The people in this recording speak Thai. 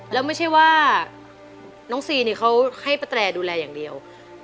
แล้วไม่ใช่ว่าน้องซีนี่เขาให้ป้าแตรดูแลอย่างเดียว